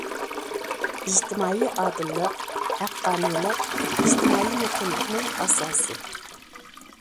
ئىجتىمائىي ئادىللىق، ھەققانىيلىق ئىجتىمائىي مۇقىملىقنىڭ ئاساسى.